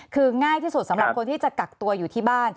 คือง่ายที่สุดสำหรับคนที่จะกักตัวอยู่ที่บ้าน